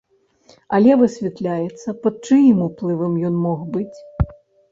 Але высвятляецца, пад чыім уплывам ён мог быць.